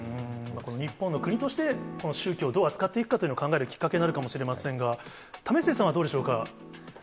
この日本の国として、この宗教をどう扱っていくかということを考えるきっかけになるかもしれませんが、為末さんはどうでしょうか？